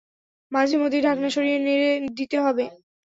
মাঝে মধ্যেই ঢাকনা সরিয়ে নেড়ে দিতে হবে।